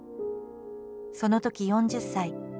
そのとき４０歳。